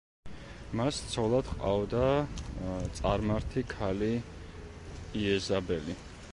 მას ცოლად ჰყავდა წარმართი ქალი იეზაბელი.